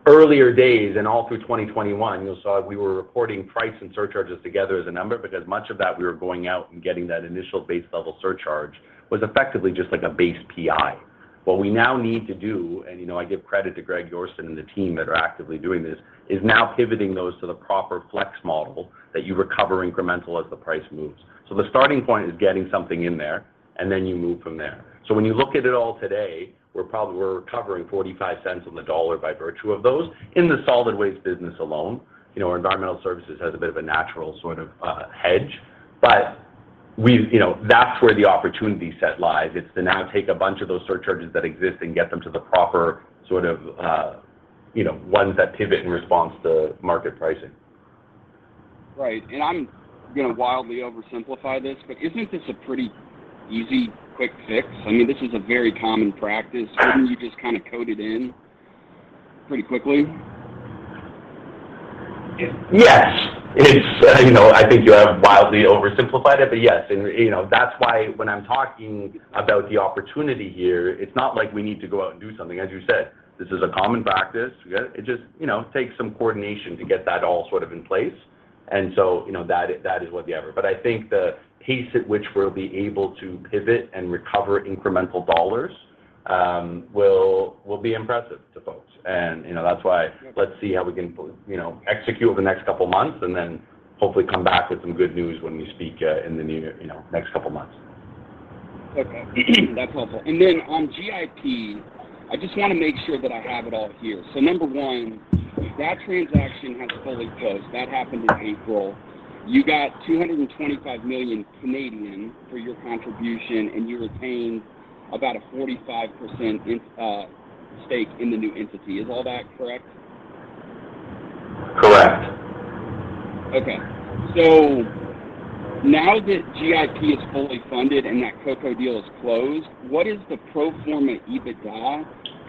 Earlier days and all through 2021, you saw we were reporting price and surcharges together as a number because much of that we were going out and getting that initial base level surcharge was effectively just like a base PI. What we now need to do, and, you know, I give credit to Greg Yorston and the team that are actively doing this, is now pivoting those to the proper flex model that you recover incremental as the price moves. The starting point is getting something in there, and then you move from there. When you look at it all today, we're recovering 45 cents on the dollar by virtue of those in the solid waste business alone. You know, our environmental services has a bit of a natural sort of, hedge. You know, that's where the opportunity set lies. It's to now take a bunch of those surcharges that exist and get them to the proper sort of, you know, ones that pivot in response to market pricing. Right. I'm gonna wildly oversimplify this, but isn't this a pretty easy quick fix? I mean, this is a very common practice. Yes. Couldn't you just kind of code it in pretty quickly? Yes. It's you know, I think you have wildly oversimplified it, but yes. You know, that's why when I'm talking about the opportunity here, it's not like we need to go out and do something. As you said, this is a common practice. It just you know, takes some coordination to get that all sort of in place. You know, that is what the effort. I think the pace at which we'll be able to pivot and recover incremental dollars will be impressive to folks. You know, that's why let's see how we can you know, execute over the next couple of months and then hopefully come back with some good news when we speak in the near you know, next couple of months. Okay. That's helpful. Then on GIP, I just wanna make sure that I have it all here. Number one, that transaction has fully closed. That happened in April. You got 225 million Canadian dollars for your contribution, and you retain about a 45% stake in the new entity. Is all that correct? Correct. Now that GIP is fully funded and that Coco deal is closed, what is the pro forma EBITDA?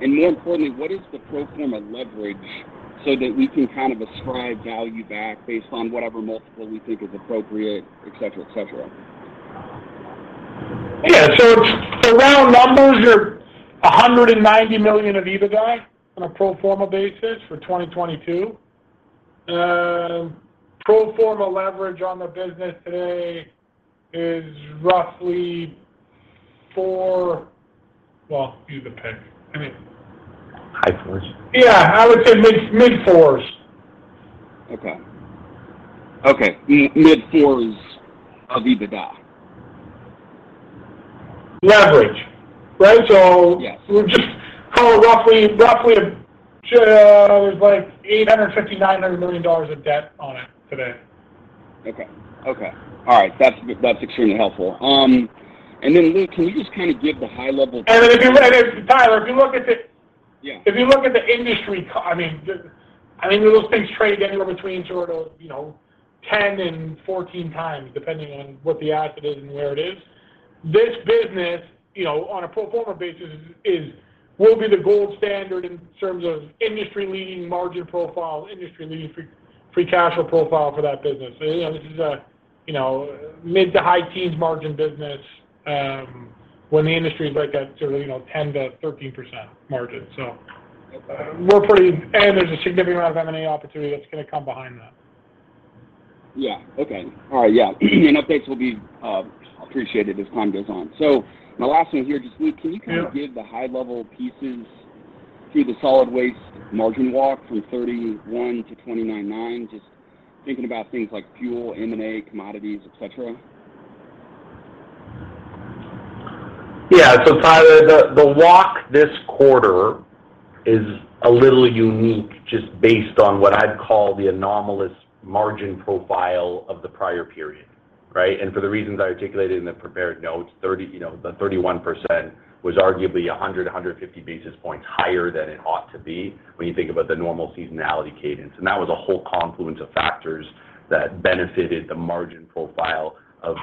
More importantly, what is the pro forma leverage so that we can kind of ascribe value back based on whatever multiple we think is appropriate, et cetera, et cetera? It's the round numbers are 100 million of EBITDA on a pro forma basis for 2022. Pro forma leverage on the business today is roughly four... Well, you could pick, I mean. Hi, folks. Yeah. I would say mid-4s. Mid-4s of EBITDA. Leverage, right? Yes. We'll just call it roughly, there's like $850 million-$900 million of debt on it today. Okay. All right. That's extremely helpful. Luke, can you just kind of give the high level? Tyler, if you look at the Yeah. If you look at the industry, I mean, those things trade anywhere between sort of, you know, 10-14 times, depending on what the asset is and where it is. This business, you know, on a pro forma basis, will be the gold standard in terms of industry-leading margin profile, industry-leading free cash flow profile for that business. You know, this is a, you know, mid- to high-teens margin business, when the industry is like at sort of, you know, 10%-13% margin. Okay. There's a significant amount of M&A opportunity that's gonna come behind that. Yeah. Okay. All right. Yeah. Updates will be appreciated as time goes on. My last one here, just Luke, can you- Yeah. Kind of give the high level pieces through the solid waste margin walk from 31% to 29.9%? Just thinking about things like fuel, M&A, commodities, et cetera. Yeah. Tyler, the walk this quarter is a little unique just based on what I'd call the anomalous margin profile of the prior period, right? For the reasons I articulated in the prepared notes, you know, the 31% was arguably 150 basis points higher than it ought to be when you think about the normal seasonality cadence. That was a whole confluence of factors that benefited the margin profile of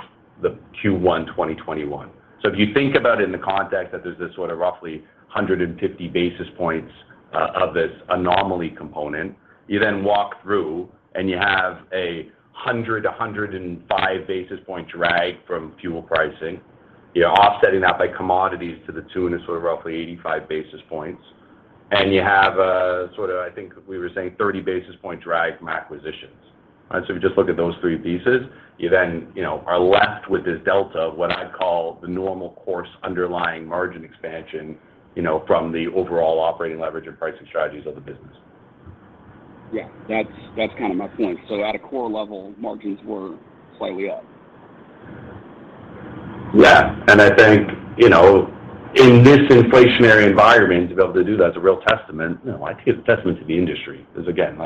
the Q1 2021. If you think about it in the context that there's this sort of roughly 150 basis points of this anomaly component, you then walk through, and you have 105 basis point drag from fuel pricing. You're offsetting that by commodities to the tune of sort of roughly 85 basis points. You have a sort of, I think we were saying 30 basis point drag from acquisitions. Right. If you just look at those three pieces, you then, you know, are left with this delta of what I'd call the normal course underlying margin expansion, you know, from the overall operating leverage and pricing strategies of the business. Yeah, that's kind of my point. At a core level, margins were slightly up. Yeah. I think, you know, in this inflationary environment, to be able to do that is a real testament. You know, I'd say it's a testament to the industry. Because again,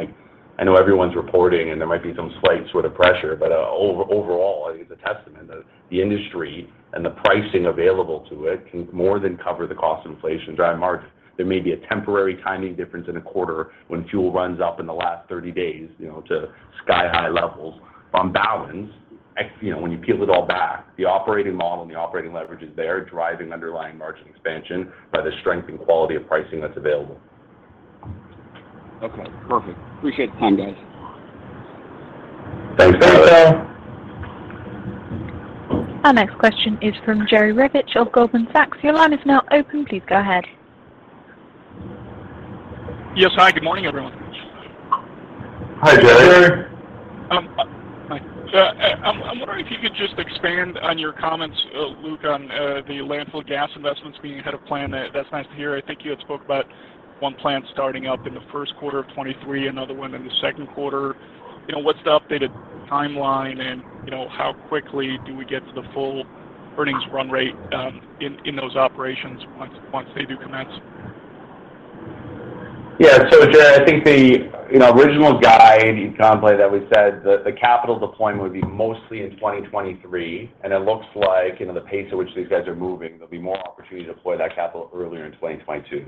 like I know everyone's reporting, and there might be some slight sort of pressure, but overall, I think it's a testament that the industry and the pricing available to it can more than cover the cost inflation drive margin. There may be a temporary timing difference in a quarter when fuel runs up in the last 30 days, you know, to sky-high levels. On balance, you know, when you peel it all back, the operating model and the operating leverage is there, driving underlying margin expansion by the strength and quality of pricing that's available. Okay, perfect. Appreciate the time, guys. Thanks, Tyler. Thanks, Tyler. Our next question is from Jerry Revich of Goldman Sachs. Your line is now open. Please go ahead. Yes. Hi, good morning, everyone. Hi, Jerry. Hi, Jerry. Hi. I'm wondering if you could just expand on your comments, Luke, on the landfill gas investments being ahead of plan. That's nice to hear. I think you had spoke about one plant starting up in the first quarter of 2023, another one in the second quarter. You know, what's the updated timeline and, you know, how quickly do we get to the full earnings run rate in those operations once they do commence? Yeah. Jerry, I think the, you know, original guide, you can contemplate that we said the capital deployment would be mostly in 2023. It looks like, you know, the pace at which these guys are moving, there'll be more opportunity to deploy that capital earlier in 2022.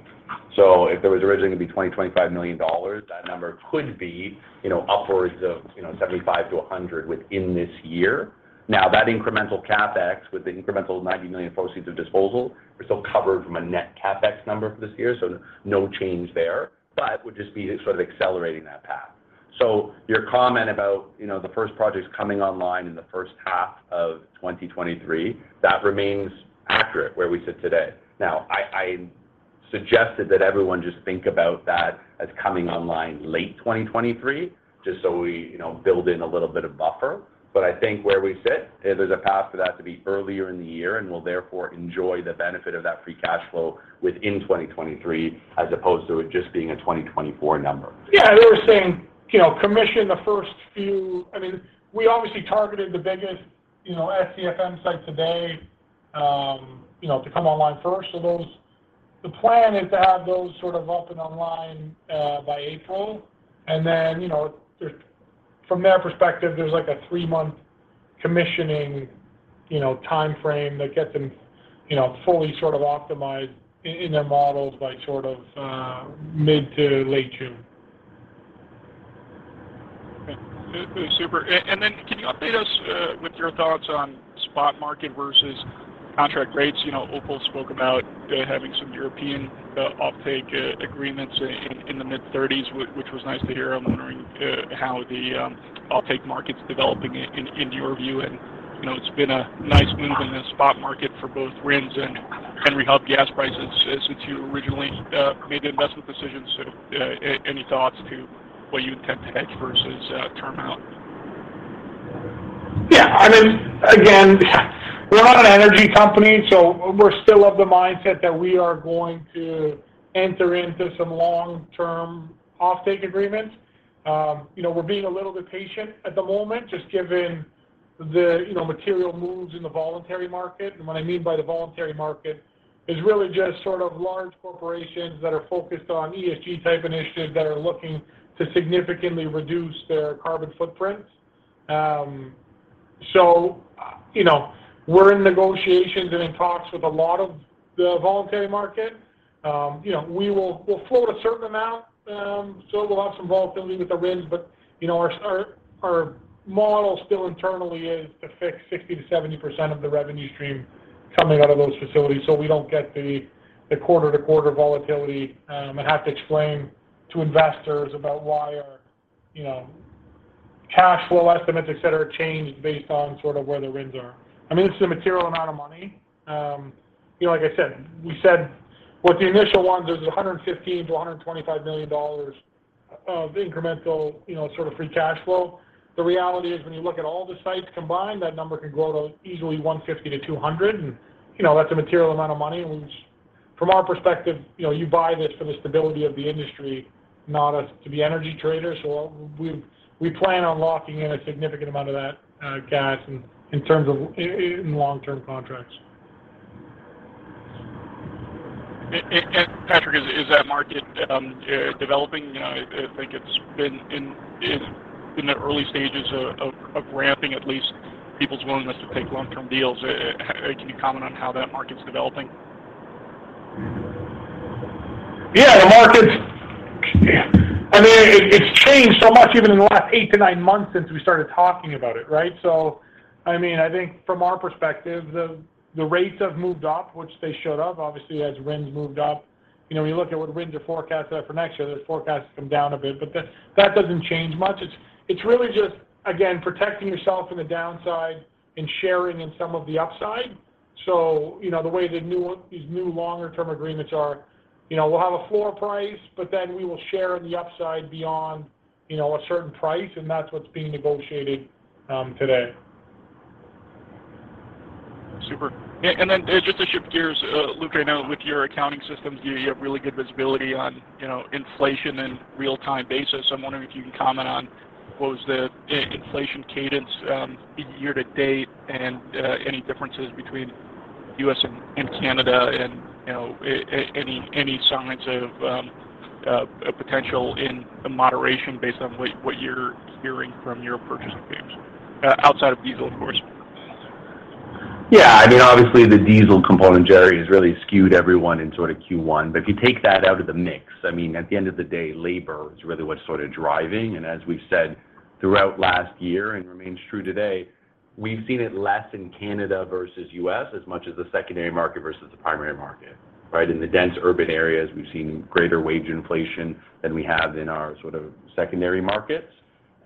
If there was originally gonna be $25 million, that number could be, you know, upwards of, you know, $75 million-$100 million within this year. Now, that incremental CapEx with the incremental $90 million proceeds of disposal are still covered from a net CapEx number for this year, so no change there, but would just be sort of accelerating that path. Your comment about, you know, the first projects coming online in the first half of 2023, that remains accurate where we sit today. I suggested that everyone just think about that as coming online late 2023, just so we, you know, build in a little bit of buffer. I think where we sit, there's a path for that to be earlier in the year, and we'll therefore enjoy the benefit of that free cash flow within 2023 as opposed to it just being a 2024 number. Yeah. I mean, we obviously targeted the biggest, you know, SCFM sites today, you know, to come online first. Those, the plan is to have those sort of up and online by April. From their perspective, there's like a three-month commissioning, you know, timeframe that gets them, you know, fully sort of optimized in their models by sort of, mid to late June. Okay. Super. And then can you update us with your thoughts on spot market versus contract rates? You know, OPAL Fuels spoke about having some European offtake agreements in the mid-30s which was nice to hear. I'm wondering how the offtake market's developing in your view. You know, it's been a nice move in the spot market for both RINs and Henry Hub gas prices since you originally made the investment decision. Any thoughts to what you intend to hedge versus term out? Yeah. I mean, again, we're not an energy company, so we're still of the mindset that we are going to enter into some long-term offtake agreements. You know, we're being a little bit patient at the moment, just given the, you know, material moves in the voluntary market. What I mean by the voluntary market is really just sort of large corporations that are focused on ESG type initiatives that are looking to significantly reduce their carbon footprints. You know, we're in negotiations and in talks with a lot of the voluntary market. You know, we'll float a certain amount, so we'll have some volatility with the RINs. You know, our model still internally is to fix 60%-70% of the revenue stream coming out of those facilities, so we don't get the quarter-to-quarter volatility, and have to explain to investors about why our cash flow estimates, etc., changed based on sort of where the RINs are. I mean, this is a material amount of money. You know, like I said, we said with the initial ones, there's $115 million-$125 million of incremental free cash flow. The reality is when you look at all the sites combined, that number can grow to easily $150 million-$200 million. You know, that's a material amount of money, which from our perspective, you know, you buy this for the stability of the industry, not to be energy traders. We plan on locking in a significant amount of that gas in terms of long-term contracts. Patrick, is that market developing? You know, I think it's been in the early stages of ramping at least people's willingness to take long-term deals. Can you comment on how that market's developing? Yeah, the market's I mean, it's changed so much even in the last 8-9 months since we started talking about it, right? I mean, I think from our perspective, the rates have moved up, which they should have obviously as RINs moved up. You know, when you look at what RINs are forecasted for next year, those forecasts come down a bit, but that doesn't change much. It's really just again, protecting yourself in the downside and sharing in some of the upside. You know, the way these new longer term agreements are, you know, we'll have a floor price, but then we will share in the upside beyond, you know, a certain price, and that's what's being negotiated today. Super. Yeah, just to shift gears, Luke, right now with your accounting systems, you have really good visibility on, you know, inflation on a real-time basis. I'm wondering if you can comment on what was the inflation cadence year-to-date and any differences between US and Canada and, you know, any signs of a potential moderation based on what you're hearing from your purchasing teams outside of diesel of course. Yeah. I mean, obviously the diesel component, Jerry, has really skewed everyone in sort of Q1. If you take that out of the mix, I mean, at the end of the day, labor is really what's sort of driving. As we've said throughout last year and remains true today, we've seen it less in Canada versus U.S. as much as the secondary market versus the primary market, right? In the dense urban areas, we've seen greater wage inflation than we have in our sort of secondary markets.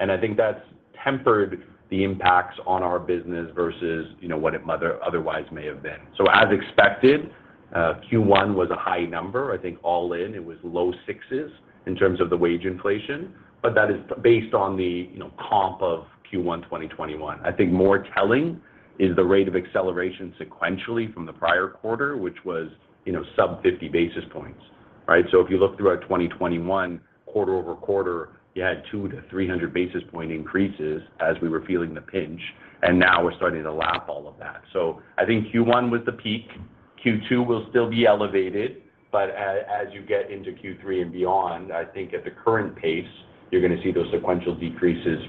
I think that's tempered the impacts on our business versus, you know, what it otherwise may have been. As expected, Q1 was a high number. I think all in it was low 6s in terms of the wage inflation. That is based on the, you know, comp of Q1 2021. I think more telling is the rate of acceleration sequentially from the prior quarter, which was, you know, sub 50 basis points, right? If you look throughout 2021 quarter-over-quarter, you had 200-300 basis point increases as we were feeling the pinch, and now we're starting to lap all of that. I think Q1 was the peak. Q2 will still be elevated, but as you get into Q3 and beyond, I think at the current pace, you're gonna see those sequential decreases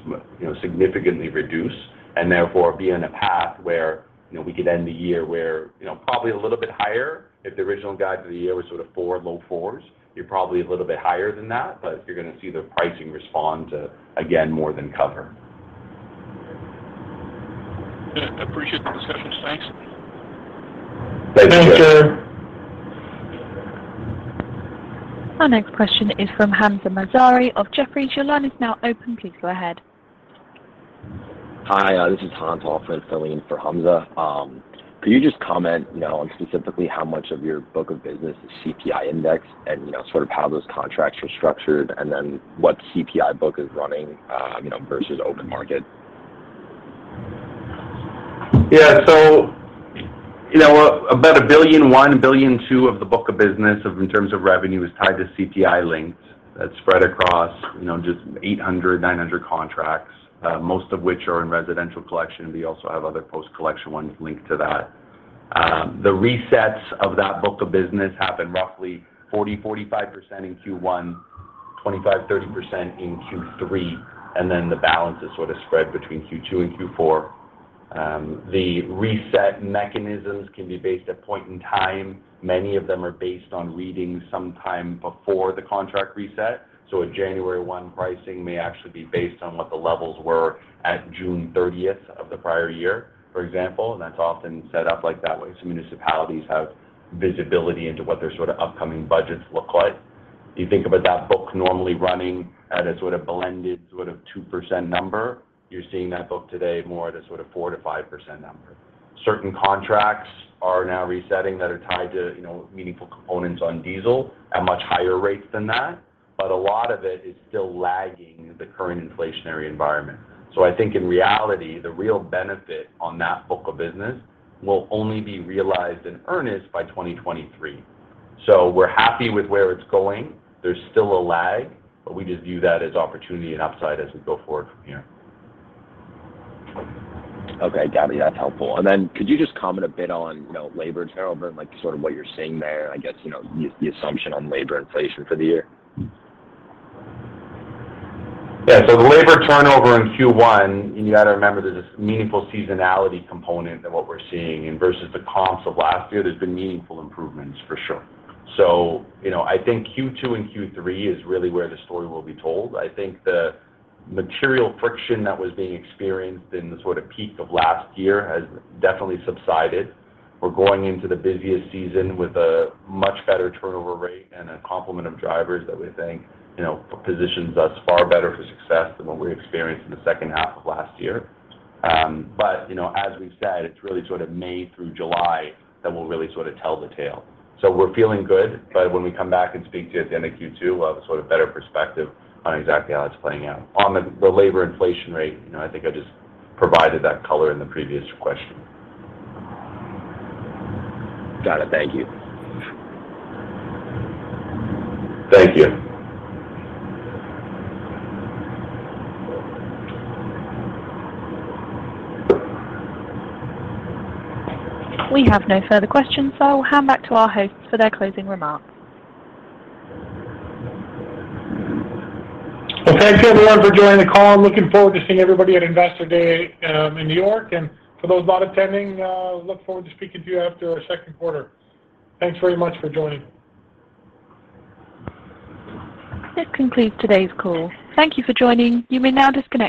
you know, significantly reduce and therefore be in a path where, you know, we could end the year where, you know, probably a little bit higher. If the original guide for the year was sort of 4%, low 4s, you're probably a little bit higher than that, but you're gonna see the pricing respond to, again, more than cover. Yeah. Appreciate the discussion. Thanks. Thank you. Thanks. Our next question is from Hamzah Mazari of Jefferies. Your line is now open. Please go ahead. Hi, this is [audible] filling for Hamzah. Could you just comment, you know, on specifically how much of your book of business is CPI indexed and, you know, sort of how those contracts are structured and then what CPI book is running, you know, versus open market? Yeah. About $1.1 billion-$1.2 billion of the book of business in terms of revenue is tied to CPI linked. That's spread across just 800-900 contracts, most of which are in residential collection. We also have other post-collection ones linked to that. The resets of that book of business happened roughly 40%-45% in Q1 2025, 30% in Q3, and then the balance is sort of spread between Q2 and Q4. The reset mechanisms can be based on a point in time. Many of them are based on readings sometime before the contract reset. A January 1 pricing may actually be based on what the levels were at June 30 of the prior year, for example. That's often set up like that way, so municipalities have visibility into what their sort of upcoming budgets look like. You think about that book normally running at a sort of blended sort of 2% number. You're seeing that book today more at a sort of 4%-5% number. Certain contracts are now resetting that are tied to, you know, meaningful components on diesel at much higher rates than that. A lot of it is still lagging the current inflationary environment. I think in reality, the real benefit on that book of business will only be realized in earnest by 2023. We're happy with where it's going. There's still a lag, but we just view that as opportunity and upside as we go forward from here. Okay. Got it, that's helpful. Could you just comment a bit on, you know, labor turnover and like sort of what you're seeing there, I guess, you know, the assumption on labor inflation for the year? Yeah. The labor turnover in Q1, and you got to remember there's this meaningful seasonality component of what we're seeing. Versus the comps of last year, there's been meaningful improvements for sure. You know, I think Q2 and Q3 is really where the story will be told. I think the material friction that was being experienced in the sort of peak of last year has definitely subsided. We're going into the busiest season with a much better turnover rate and a complement of drivers that we think, you know, positions us far better for success than what we experienced in the second half of last year. You know, as we've said, it's really sort of May through July that will really sort of tell the tale. We're feeling good, but when we come back and speak to you at the end of Q2, we'll have a sort of better perspective on exactly how it's playing out. On the labor inflation rate, you know, I think I just provided that color in the previous question. Got it. Thank you. Thank you. We have no further questions, so I will hand back to our hosts for their closing remarks. Well, thanks everyone for joining the call. I'm looking forward to seeing everybody at Investor Day in New York. For those not attending, look forward to speaking to you after our second quarter. Thanks very much for joining. This concludes today's call. Thank you for joining. You may now disconnect.